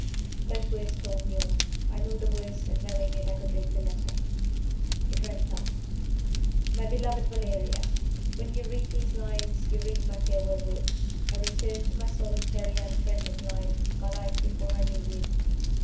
Those words told me all. I knew the worst; and, knowing it, I could read the letter. It ran thus: "MY BELOVED VALERIA When you read these lines you read my farewell words. I return to my solitary unfriended life my life before I knew you.